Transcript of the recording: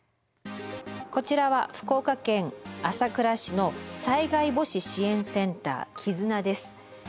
こちらは福岡県朝倉市の災害母子支援センターきずなです。